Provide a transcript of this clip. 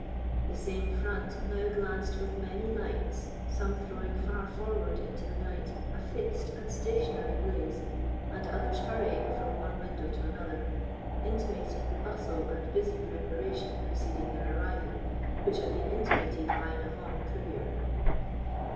The same front now glanced with many lights, some throwing far forward into the night a fixed and stationary blaze, and others hurrying from one window to another, intimating the bustle and busy preparation preceding their arrival, which had been intimated by an avant courier.